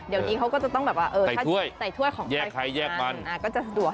เดี๋ยวนี้เขาก็จะต้องแบบว่าใส่ถ้วยของใครก็จะสะดวก